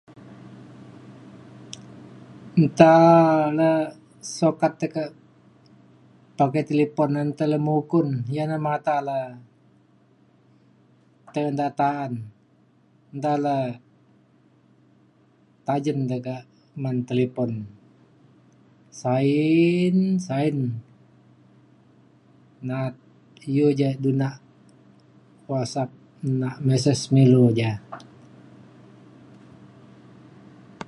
Enta na sukat te ka pakai telefon alem ukun [unintelligible] pakai data enta la tayen ngan telefon sain sain na yew ja guna WhatsApp nak message ngan ilu ja.